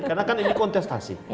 karena kan ini kontestasi